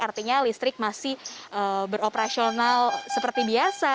artinya listrik masih beroperasional seperti biasa